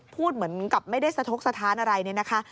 พูดเหมือนกับไม่ได้สะทกสถานอะไรเนี่ยนะคะ